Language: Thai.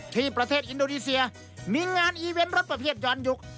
ที่ประเทศอินโดนีเซียมีงานอีเวนต์รถประเภทยอนยุค